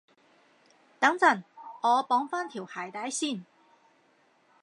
等陣，我綁返條鞋帶先